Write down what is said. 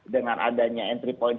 dengan adanya entry point